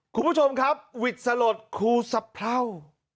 คุณผู้ชมครับวิทย์สลดครูสะเพรา